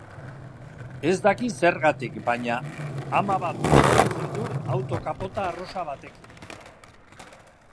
Ez daki zergatik baina ama bat gogoratzen du auto-kapota arrosa batekin.